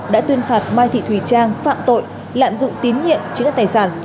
đã tuyên phạt mai thị thùy trang phạm tội lạm dụng tín nhiệm chứa đắt tài sản